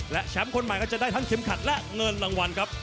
และแชมป์คนใหม่ก็จะได้ทั้งเข็มขัดและเงินรางวัลครับ